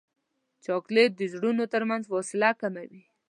چاکلېټ د زړونو ترمنځ فاصله کموي.